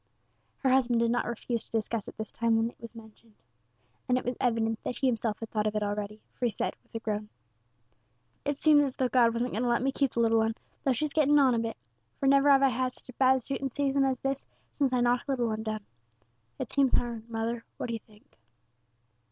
Her husband did not refuse to discuss it this time when it was mentioned, and it was evident that he himself had thought of it already, for he said, with a groan "It seems as though God wasn't going to let me keep the little 'un, though she's getting on a bit, for never have I had such a bad shooting season as this since I knocked the little 'un down. It seems hard, mother; what do you think?"